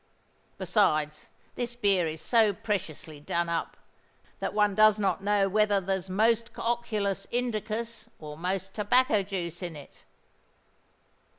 Besides, this beer is so preciously done up, that one does not know whether there's most cocculus indicus or most tobacco juice in it."